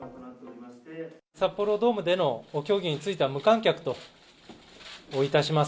札幌ドームでの競技については、無観客といたします。